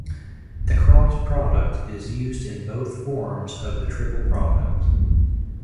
The cross product is used in both forms of the triple product.